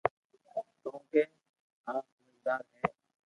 ڪونڪھ آ ھمجدار ھي